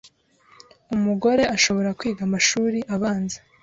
Umugoreashobora kwiga amashuri abanza,